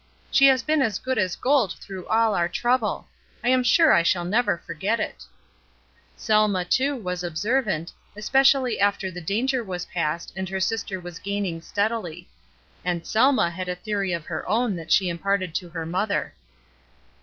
She has been as good as gold through all our trouble; I am sure I shall never forget it." 246 LOVE 247 Selma, too, was observant, especially after the danger was past, and her sister was gaining steadily. And Selma had a theory of her own that she imparted to her mother.